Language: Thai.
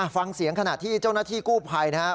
ฟังเสียงขณะที่เจ้าหน้าที่กู้ภัยนะครับ